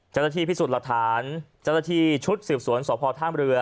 เจ้าหน้าที่พิสูจน์หลักฐานเจ้าหน้าที่ชุดสืบสวนสพท่ามเรือ